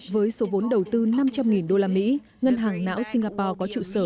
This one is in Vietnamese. với số vốn đầu tư năm trăm linh đô la mỹ ngân hàng não singapore có trụ sở